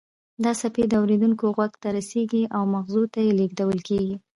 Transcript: دا څپې د اوریدونکي غوږ ته رسیږي او مغزو ته لیږدول کیږي